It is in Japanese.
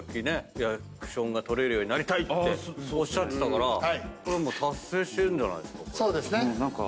リアクションが取れるようになりたいっておっしゃってたからこれはもう達成してるんじゃないですか。